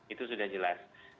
itu sudah jelas